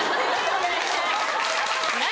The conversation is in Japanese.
・何？